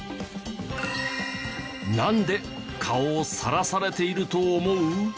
なんで顔をさらされていると思う？